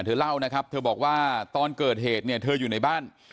เธอเล่านะครับเธอบอกว่าตอนเกิดเหตุเนี่ยเธออยู่ในบ้าน